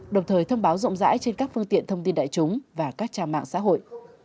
đồng thời thông báo rộng rãi trên các phương tiện thông tin đại chúng và các trang mạng xã hội